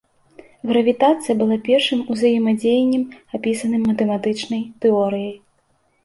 Гравітацыя была першым узаемадзеяннем, апісаным матэматычнай тэорыяй.